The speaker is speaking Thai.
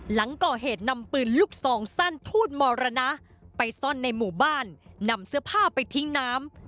หลังก่อเหตุนำปืนลูกซองสั้นทูตมรณะไปซ่อนในหมู่บ้านนำเสื้อผ้าไปทิ้งน้ำ